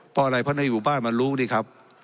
เพราะอะไรเพราะในหมู่บ้านมันรู้นี่ครับ